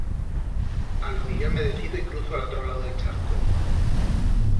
A lo millor me decido y cruzo a l'atro lau d'el charco.